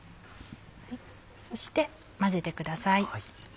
そして混ぜてください。